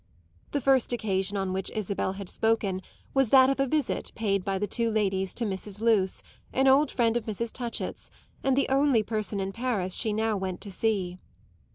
The first occasion on which Isabel had spoken was that of a visit paid by the two ladies to Mrs. Luce, an old friend of Mrs. Touchett's and the only person in Paris she now went to see.